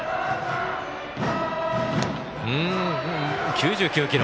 ９９キロ。